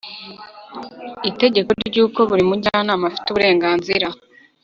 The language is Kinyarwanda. itegeko ryuko buri mujyanama afite uburenganzira